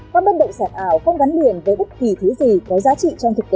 các bất động sản ảo không gắn liền với bất kỳ thứ gì có giá trị